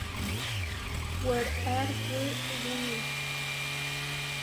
Where Are We Runnin'?